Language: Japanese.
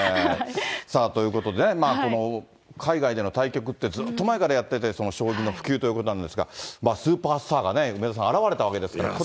さあ、ということでね、この海外での対局って、ずっと前からやってて、その将棋の普及ということなんですが、スーパースターがね、梅沢さん、現れたわけですから。